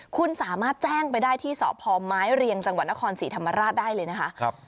คุณสามารถแจ้งไปได้ที่สพไม้เรียงจังหวัดนครศรีธรรมราชได้เลยนะคะ